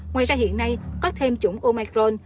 ngoài ra hiện nay có thêm chủng omicron